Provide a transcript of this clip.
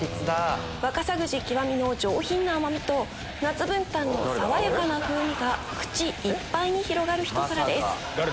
若狭ぐじ極の上品な甘みと夏文旦の爽やかな風味が口いっぱいに広がるひと皿です。